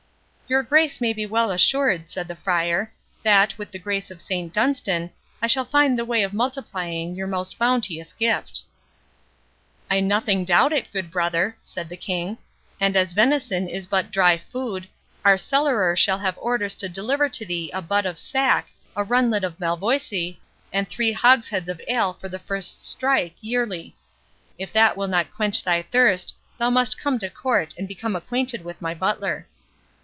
"Your Grace may be well assured," said the Friar, "that, with the grace of Saint Dunstan, I shall find the way of multiplying your most bounteous gift." "I nothing doubt it, good brother," said the King; "and as venison is but dry food, our cellarer shall have orders to deliver to thee a butt of sack, a runlet of Malvoisie, and three hogsheads of ale of the first strike, yearly—If that will not quench thy thirst, thou must come to court, and become acquainted with my butler."